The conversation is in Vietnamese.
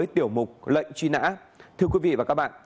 tiểu mục lệnh truy nã